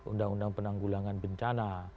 undang undang penanggulangan bencana